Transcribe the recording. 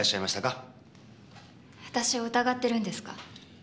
私を疑ってるんですか？